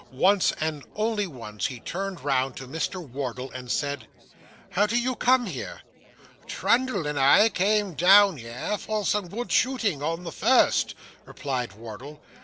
Once, and only once, he turned round to Mr. Wardle, and said 'How did you come here?' 'Trundle and I came down here, for some good shooting on the first,' replied Wardle.